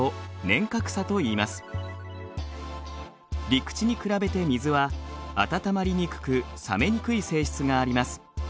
陸地に比べて水は温まりにくく冷めにくい性質があります。